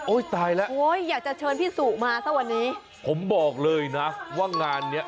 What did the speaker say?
ตายแล้วโอ้ยอยากจะเชิญพี่สุมาซะวันนี้ผมบอกเลยนะว่างานเนี้ย